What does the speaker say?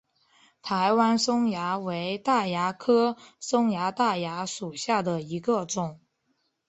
台湾松蚜为大蚜科松柏大蚜属下的一个种。